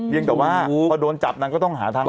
ยังแต่ว่าพอโดนจับนางก็ต้องหาทางออก